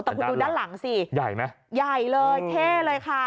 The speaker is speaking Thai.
แต่คุณดูด้านหลังสิใหญ่เลยเท่เลยค่ะ